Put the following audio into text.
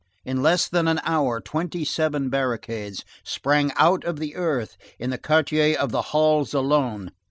In less than an hour, twenty seven barricades sprang out of the earth in the quarter of the Halles alone.